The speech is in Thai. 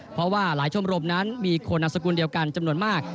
เพราะว่าหลายชมรมนั้นมีคนนำสกุลเดียวกันจำนวนมาก